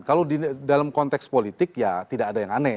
kalau dalam konteks politik ya tidak ada yang aneh